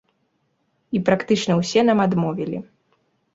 І практычна ўсе нам адмовілі.